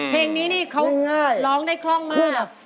เพลงนี้นี่เขาร้องได้คล่องมาก